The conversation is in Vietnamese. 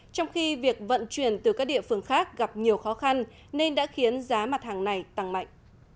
trong khi việc vận chuyển từ các địa phương khác gặp nhiều khó khăn nên đã khiến giá mặt hàng này tăng mạnh